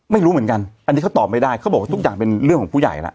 ไม่รู้เหมือนกันอันนี้เขาตอบไม่ได้เขาบอกว่าทุกอย่างเป็นเรื่องของผู้ใหญ่แล้ว